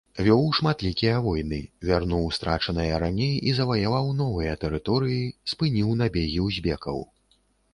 Вёў шматлікія войны, вярнуў страчаныя раней і заваяваў новыя тэрыторыі, спыніў набегі узбекаў.